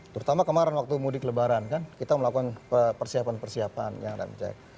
terutama kemarin waktu mudik lebaran kan kita melakukan persiapan persiapan yang rem cek